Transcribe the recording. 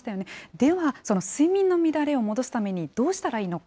では、その睡眠の乱れを戻すためにどうしたらいいのか。